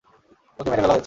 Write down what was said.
ওকে মেরে ফেলা হয়েছে।